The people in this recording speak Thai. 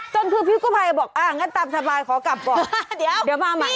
จนคือพี่กู้ภัยบอกอ่างั้นตามสบายขอกลับก่อนเดี๋ยวมาใหม่